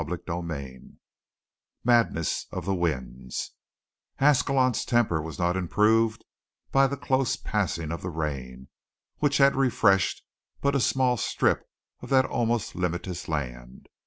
CHAPTER XXIV MADNESS OF THE WINDS Ascalon's temper was not improved by the close passing of the rain, which had refreshed but a small strip of that almost limitless land.